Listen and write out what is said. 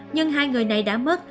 nhưng hai người này đã mất